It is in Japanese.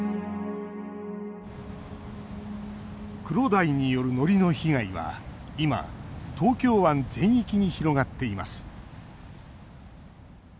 クロダイによる、のりの被害は今、東京湾全域に広がっています。